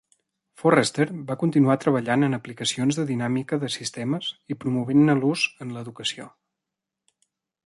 Forrester va continuar treballant en aplicacions de dinàmica de sistemes i promovent-ne l'ús en l'educació.